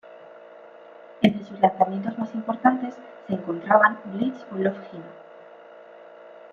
Entre sus lanzamientos más importantes se encontraban Bleach o Love Hina.